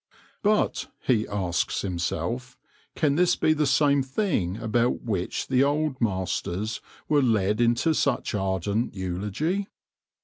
But, he asks himself, can this be the same thing about which the old masters were led into such ardent eulogy